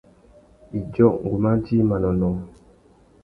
Idjô, ngu mà djï manônōh.